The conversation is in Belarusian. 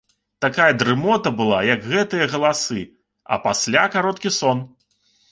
Такая дрымота была, як гэтыя галасы, а пасля кароткі сон.